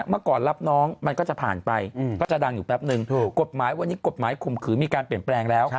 เมื่อก่อนรับน้องมันก็จะผ่านไปก็จะดังอยู่แป๊บนึงกฎหมายวันนี้กฎหมายข่มขืนมีการเปลี่ยนแปลงแล้ว